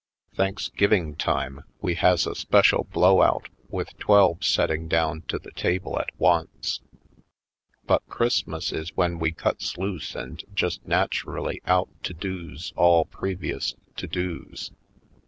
Thanksgiving time we has a 168 /. Poindexterj Colored special blow out with twelve setting down to the table at once. But Christmas is when we cuts loose and just naturally out todos all previous todos.